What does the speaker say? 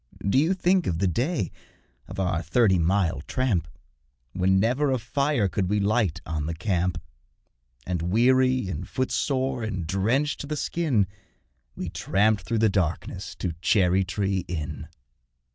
Do you think of the day of our thirty mile tramp, When never a fire could we light on the camp, And, weary and footsore and drenched to the skin, We tramped through the darkness to Cherry tree Inn?